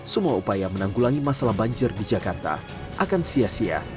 semua upaya menanggulangi masalah banjir di jakarta akan sia sia